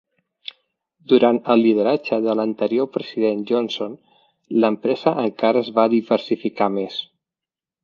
Durant el lideratge de l'anterior president Johnson, l'empresa encara es va diversificar més.